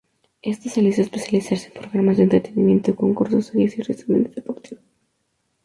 Esto le hizo especializarse en programas de entretenimiento, concursos, series y resúmenes deportivos.